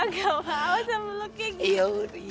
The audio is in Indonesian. gak mau sama lu kayak gitu